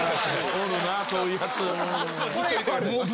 おるなぁそういうやつ。